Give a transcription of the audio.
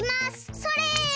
それ！